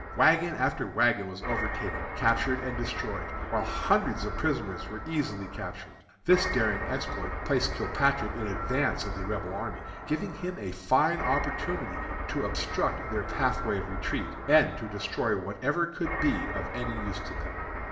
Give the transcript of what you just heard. Wagon after wagon was overtaken, captured, and destroyed, while hundreds of prisoners were easily captured. This daring exploit placed Kilpatrick in advance of the Rebel army, giving him a fine opportunity to obstruct their pathway of retreat, and to destroy whatever could be of any use to them.